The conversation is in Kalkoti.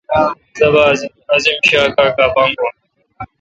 تبہ عظیم شا کاکا باگوُن۔